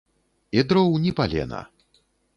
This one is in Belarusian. І дроў ні палена.